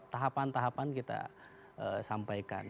tahapan tahapan kita sampaikan